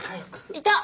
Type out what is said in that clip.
いた！